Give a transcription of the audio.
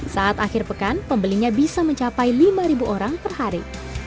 saat akhir pekan pembelinya bisa mencapai lima orang per hari